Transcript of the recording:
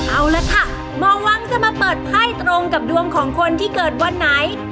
เอาละค่ะหมอวังจะมาเปิดไพ่ตรงกับดวงของคนที่เกิดวันไหน